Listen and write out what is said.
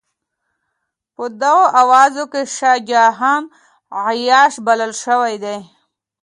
په دغو اوازو کې شاه جهان عیاش بلل شوی دی.